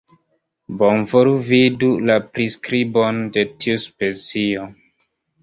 Bonvolu vidu la priskribon de tiu specio.